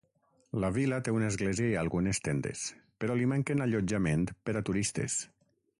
La vila té una església i algunes tendes, però li manquen allotjament per a turistes.